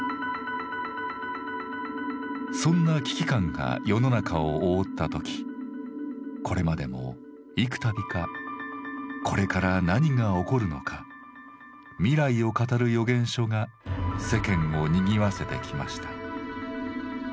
そんな危機感が世の中を覆った時これまでも幾たびかこれから何が起こるのか未来を語る予言書が世間をにぎわせてきました。